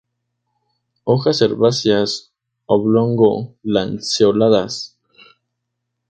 Hojas herbáceas, oblongo-lanceoladas.